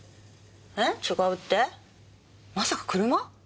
えっ違うってまさか車？